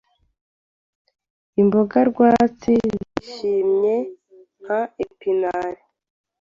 imboga rwatsi zijimye nka epinari